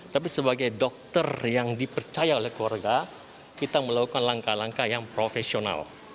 tapi sebagai dokter yang dipercaya oleh keluarga kita melakukan langkah langkah yang profesional